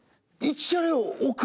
１車両億！？